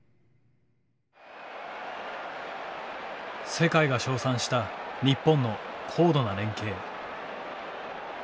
世界が称賛した日本の高度な連携。